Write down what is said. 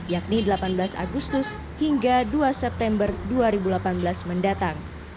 yakni delapan belas agustus hingga dua september dua ribu delapan belas mendatang